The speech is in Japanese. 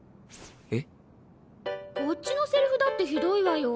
こっちのセリフだってひどいわよ